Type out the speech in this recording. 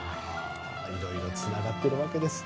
いろいろつながっているわけです。